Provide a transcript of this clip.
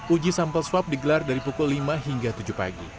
uji sampel swab digelar dari pukul lima hingga tujuh pagi